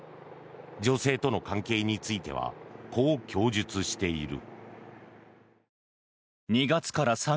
女性との関係についてはこう供述している。